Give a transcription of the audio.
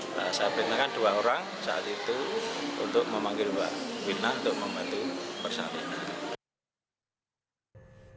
saya perintahkan dua orang saat itu untuk memanggil mbak witna untuk membantu persalinan